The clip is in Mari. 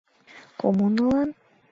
Коммунылан?